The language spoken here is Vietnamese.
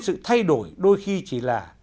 sự thay đổi đôi khi chỉ là